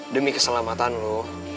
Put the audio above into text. demi keselamatan lo